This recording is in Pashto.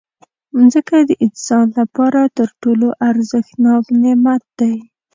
مځکه د انسان لپاره تر ټولو ارزښتناک نعمت دی.